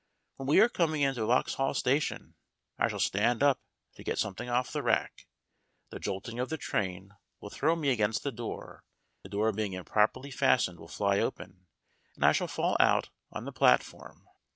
When we are com ing into Vauxhall Station I shall stand up to get something off the rack; the jolting of the train will throw me against the door ; the door being improperly fastened will fly open, and I shall fall out on the plat form.